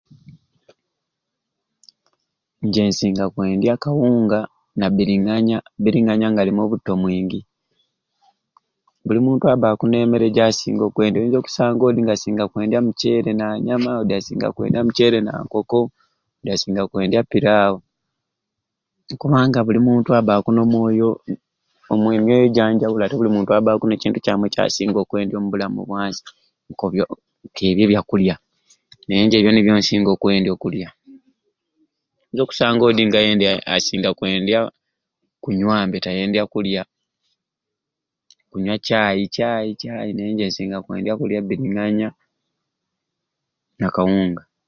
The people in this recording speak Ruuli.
Nje nsinga kwendya kawunga nabiringanya, obiringanya nga alimu obutto mwingi, buli muntu abaaku nemeere jasinga okwendya, oyinza okusanga odi asinga kwendya muceere nanyama, odi asinga kwendya muceere nankoko, odi asinga kwendya pirawo kubanga buli muntu abakku nomwoyo emyoyo janjawulo omuntu abaku nekintu kyamwei kyasinga okwendya ombulamu bwansi nkobyo nkebyo ebyakulya naye nje ebyo nibyo nsinga okwendya okulya. Oyinza okusanga odiye mbe asinga kwendya kunywambe tayendya kulya, kunywa chai chai chai naye nje nsinga kwendya kulya biringanya nakawunga.